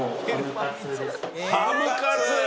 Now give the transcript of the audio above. ハムカツ！